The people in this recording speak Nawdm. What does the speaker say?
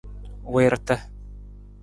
Wiirata.